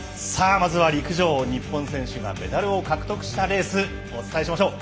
まずは陸上日本選手がメダルを獲得したレースをお伝えしましょう。